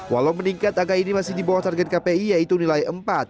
walau meningkat angka ini masih di bawah target kpi yaitu nilai empat